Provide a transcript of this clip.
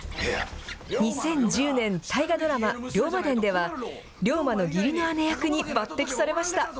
２０１０年、大河ドラマ、龍馬伝では、龍馬の義理の姉役に抜てきされました。